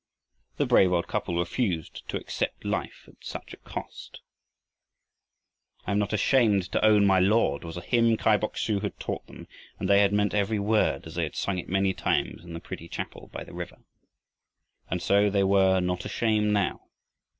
The brave old couple refused to accept life at such a cost. "I'm not ashamed to own my Lord," was a hymn Kai Bok su had taught them, and They had meant every word as they had sung it many times in the pretty chapel by the river. And so they were "not ashamed" now.